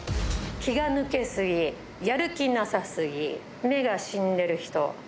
気が抜け過ぎ、やる気なさすぎ、目が死んでる人。